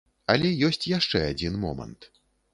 Але ёсць яшчэ адзін момант.